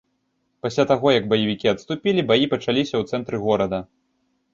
Пасля таго, як баевікі адступілі, баі пачаліся ў цэнтры горада.